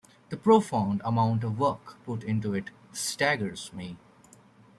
The profound amount of work put into it staggers me.